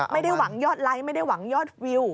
ไม่ได้หวังยอดไลค์ไม่ได้หวังยอดวิว